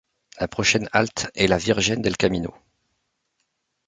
La prochaine halte est La Virgen del Camino.